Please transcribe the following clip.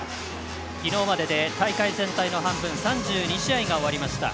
昨日までで大会全体の半分３２試合が終わりました。